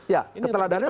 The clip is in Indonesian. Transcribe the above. ya keteladanan itu